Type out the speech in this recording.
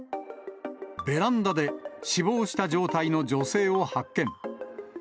ベランダで死亡した状態の女性を発見。